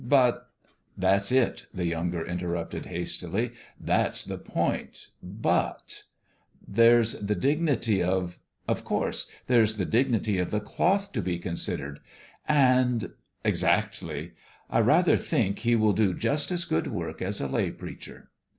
But " "That's it !" the younger interrupted, hastily. " That's the point ! But "" There's the dignity of " BOUND THROUGH 273 " Of course ! There's the dignity of the cloth to be considered." "And "" Exactly 1 " 44 1 rather think he will do just as good work as a lay preacher."